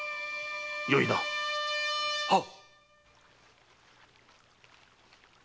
よいな⁉はっ！